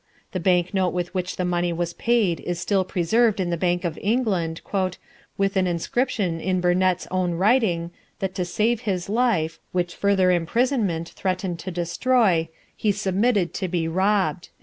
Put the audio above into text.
The banknote with which the money was paid is still preserved in the Bank of England, "with an inscription in Burdett's own writing, that to save his life, which further imprisonment threatened to destroy, he submitted to be robbed."